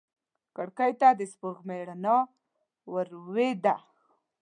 کړکۍ ته د سپوږمۍ رڼا ورېده.